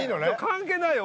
関係ないよ